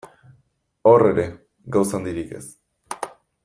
Hor ere, gauza handirik ez.